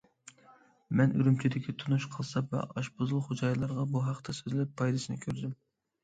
مەن ئۈرۈمچىدىكى تونۇش قاسساپ ۋە ئاشپۇزۇل خوجايىنلىرىغا بۇ ھەقتە سۆزلەپ، پايدىسىنى كۆردۈم.